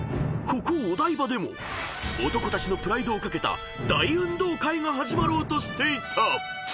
ここお台場でも男たちのプライドを懸けた大運動会が始まろうとしていた］